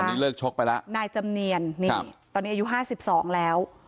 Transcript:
ตอนนี้เลิกชกไปแล้วนายจำเนียนนี่ตอนนี้อายุห้าสิบสองแล้ว